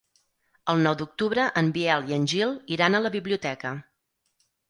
El nou d'octubre en Biel i en Gil iran a la biblioteca.